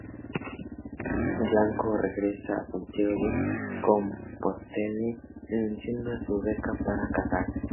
El Dr. García-Blanco regresa a Santiago de Compostela renunciando a su beca, para casarse.